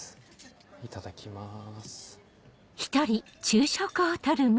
いただきます。